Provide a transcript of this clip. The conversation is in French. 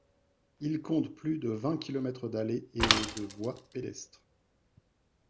Il compte plus de vingt kilomètres d'allées et de voies pédestres.